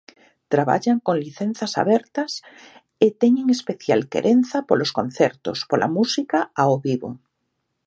Traballan con licenzas abertas e teñen especial querenza polos concertos, pola música ao vivo.